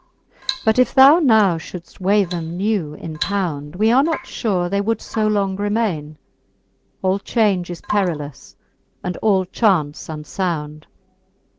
But if thou now fhouldft weigh them new in pound, We are not fure they would fo long remaine. All change is perillous, and all chaunce unfound.